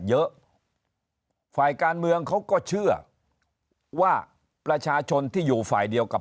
เยอะฝ่ายการเมืองเขาก็เชื่อว่าประชาชนที่อยู่ฝ่ายเดียวกับ